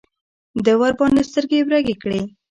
ده ورباندې سترګې برګې کړې.